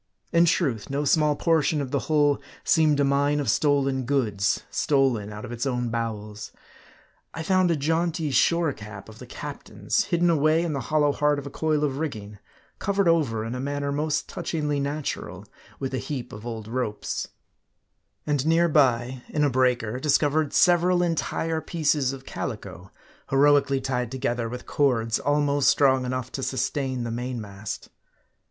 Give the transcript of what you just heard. In truth, no small portion of the hull seemed a mine of stolen goods, stolen out of its own bowels. I found a jaunty shore cap of the captain's, hidden away in the hollow heart of a coil of rigging ; covered over in a manner most touchingly natural, with a heap of old ropes ; and near by, in a breaker, discovered several entire pieces of calico, heroically tied together with cords almost strong enough to sustain the mainmast.